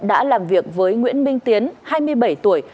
đã làm việc với nguyễn minh tiến hai mươi bảy tuổi